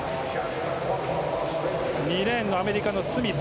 ２レーン、アメリカのスミス。